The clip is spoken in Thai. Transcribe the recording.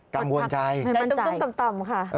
กังวลใจใจต่ำค่ะ